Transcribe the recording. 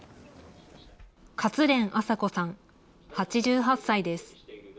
勝連アサ子さん８８歳です。